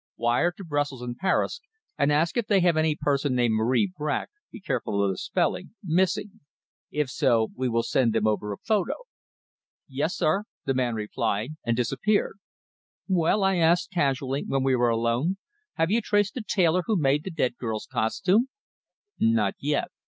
"Wire to Brussels and Paris and ask if they have any person named Marie Bracq be careful of the spelling missing. If so, we will send them over a photo." "Yes, sir," the man replied, and disappeared. "Well," I asked casually, when we were alone, "have you traced the tailor who made the dead girl's costume?" "Not yet.